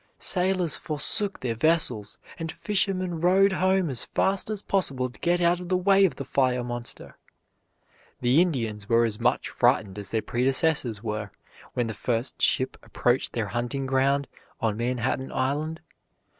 Sailors forsook their vessels, and fishermen rowed home as fast as possible to get out of the way of the fire monster. The Indians were as much frightened as their predecessors were when the first ship approached their hunting ground on Manhattan Island.